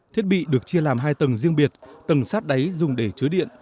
thiết bị được chia làm hai tầng riêng biệt tầng sát đáy dùng để chứa điện